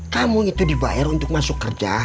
tamu itu dibayar untuk masuk kerja